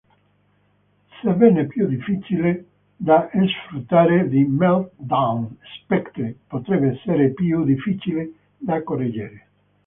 Sebbene più difficile da sfruttare di Meltdown, Spectre potrebbe essere più difficile da correggere.